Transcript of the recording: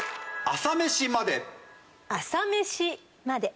『朝メシまで。』。